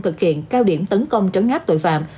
thực hiện cao điểm tấn công trấn áp tội phạm